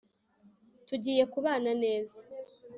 Tugiye kubana neza